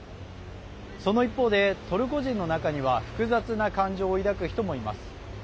その一方で、トルコ人の中には複雑な感情を抱く人もいます。